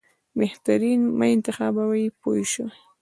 بهترین ما انتخابوي پوه شوې!.